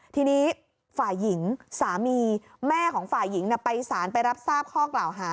ทีนี้ฝ่ายหญิงสามีแม่ของฝ่ายหญิงไปสารไปรับทราบข้อกล่าวหา